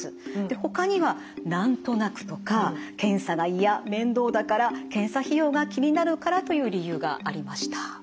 ほかには「なんとなく」とか「検査がいや」「面倒だから」「検査費用が気になるから」という理由がありました。